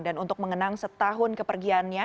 dan untuk mengenang setahun kepergiannya